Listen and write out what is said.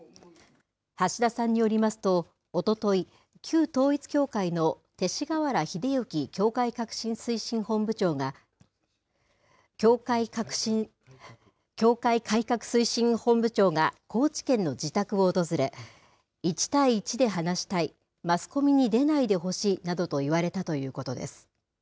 橋田さんによりますと、おととい、旧統一教会の勅使河原秀行教会改革推進本部長が、高知県の自宅を訪れ、１対１で話したい、マスコミに出ないでほしいなどと言われたということです。